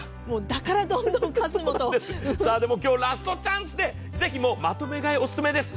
だからどんどん数もと。でも今日ラストチャンスでぜひまとめ買いオススメです。